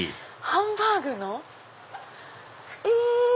ハンバーグの⁉え！